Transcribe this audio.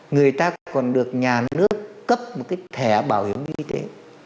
người ta còn được nhà nước cấp một cái thẻ bảo hiểm y tế